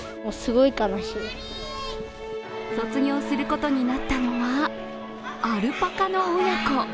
卒業することになったのはアルパカの親子。